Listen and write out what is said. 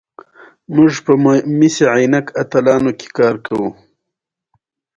موټر کې هوا کولر وي.